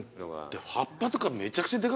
葉っぱとかめちゃくちゃでかくない？